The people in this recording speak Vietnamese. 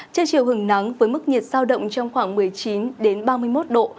trên chiều hừng nắng với mức nhiệt sao động trong khoảng một mươi chín ba mươi một độ